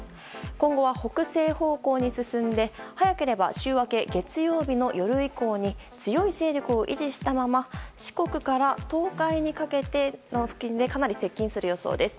今後は北西方向に進んで早ければ週明け月曜日の夜以降に強い勢力を維持したまま四国から東海にかけての付近にかなり接近する予想です。